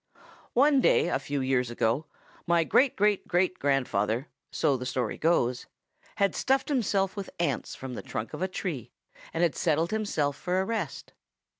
"One day a few years ago my great great great grandfather, so the story goes, had stuffed himself with ants from the trunk of a tree and had settled himself for a rest.